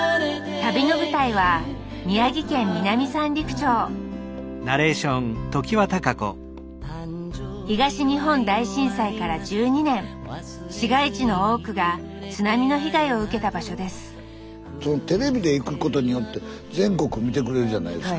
旅の舞台は宮城県南三陸町市街地の多くが津波の被害を受けた場所ですテレビで行くことによって全国見てくれるじゃないですか。